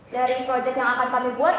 dari proyek yang akan kami buat